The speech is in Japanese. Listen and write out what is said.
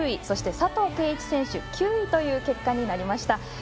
そして、佐藤圭一選手９位という結果になりました。